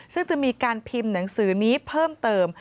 ซึ่งจะมีการพิมพ์หนังสือนี้เพิ่มเติม